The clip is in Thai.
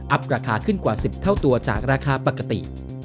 ราคาขึ้นกว่า๑๐เท่าตัวจากราคาปกติ